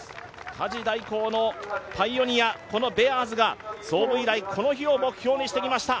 家事代行のパイオニア、このベアーズが創部以来、この日を目標にしてきました。